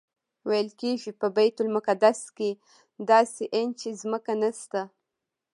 ویل کېږي په بیت المقدس کې داسې انچ ځمکه نشته.